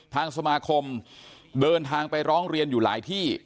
ทางสมาคมเดินทางไปร้องเรียนอยู่หลายที่